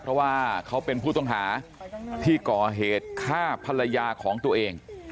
เพราะว่าเขาเป็นผู้ต้องหาที่ก่อเหตุฆ่าภรรยาของตัวเอง